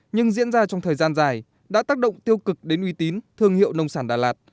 nhưng diễn ra trong thời gian dài đã tác động tiêu cực đến uy tín thương hiệu nông sản đà lạt